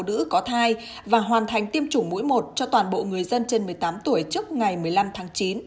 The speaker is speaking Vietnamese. nữ có thai và hoàn thành tiêm chủng mũi một cho toàn bộ người dân trên một mươi tám tuổi trước ngày một mươi năm tháng chín